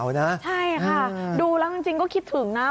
ใช่ค่ะดูแล้วจริงก็คิดถึงนะ